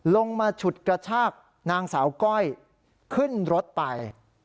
ลงมาฉุดกระชากนางสาวก้อยขึ้นรถไป